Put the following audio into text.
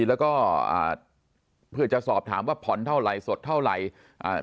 แล้วก็อ่าเพื่อจะสอบถามว่าผ่อนเท่าไหร่สดเท่าไหร่อ่า